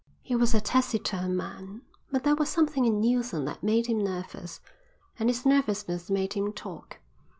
He was a taciturn man, but there was something in Neilson that made him nervous, and his nervousness made him talk.